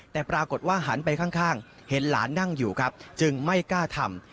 แต่ปรากฏว่าหันไปข้างเห็นหลานนั่งอยู่ครับจึงไม่กล้าทำ